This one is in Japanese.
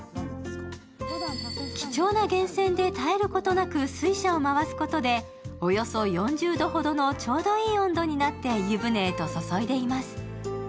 貴重な源泉で絶えることなく水車を回すことでおよそ４０度ほどのちょうどいい温度になって湯船へと注いでいます。